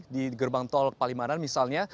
di gerbang tol palimanan misalnya